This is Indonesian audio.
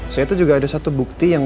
saya tuh juga ada satu bukti yang